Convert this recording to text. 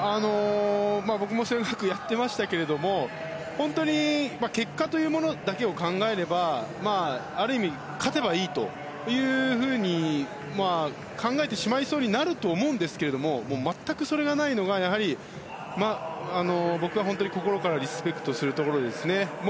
僕も１５００をやってましたけども結果というものだけを考えればある意味勝てばいいというふうに考えてしまいそうになると思うんですが全くそれがないのが僕は心からリスペクトするところですね。